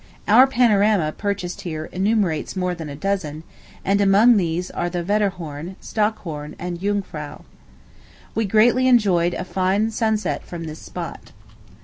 Our panorama, purchased here, enumerates more than a dozen; and among these are the Wetterhorn, Stockhorn, and Jungfrau. We greatly enjoyed a fine sunset from this spot.